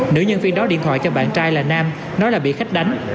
nữ nhân viên đó điện thoại cho bạn trai là nam nói là bị khách đánh